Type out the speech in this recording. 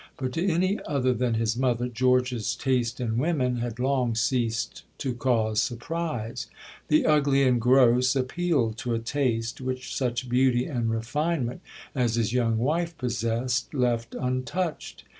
But to any other than his mother, George's taste in women had long ceased to cause surprise. The ugly and gross appealed to a taste which such beauty and refinement as his young wife possessed left untouched.